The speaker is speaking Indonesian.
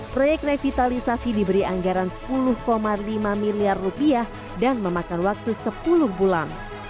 proyek revitalisasi diberi anggaran sepuluh lima miliar rupiah dan memakan waktu sepuluh bulan